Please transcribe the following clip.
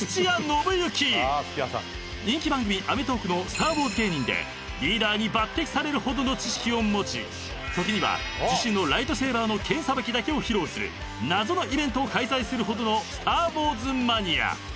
［人気番組『アメトーーク！』の『スター・ウォーズ』芸人でリーダーに抜てきされるほどの知識を持ち時には自身のライトセーバーの剣さばきだけを披露する謎のイベントを開催するほどの『スター・ウォーズ』マニア］